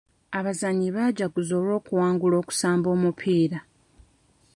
Abazannyi baajaguza olw'okuwangula okusamba omupiira.